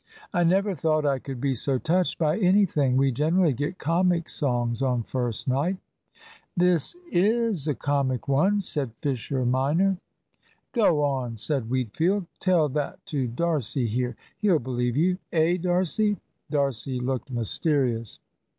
"I never thought I could be so touched by anything. We generally get comic songs on first night." "This is a comic one," said Fisher minor. "Go on," said Wheatfield; "tell that to D'Arcy here he'll believe you eh, D'Arcy?" D'Arcy looked mysterious.